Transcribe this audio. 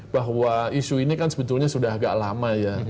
bahwa isu ini kan sebetulnya sudah agak lama ya